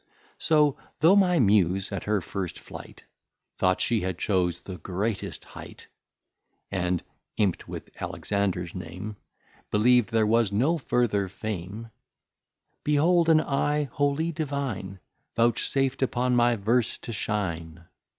So though my Muse at her first flight, Thought she had chose the greatest height, And (imp'd with Alexander's Name) Believ'd there was no further Fame: Behold an Eye wholly Divine Vouchsaf'd upon my Verse to Shine!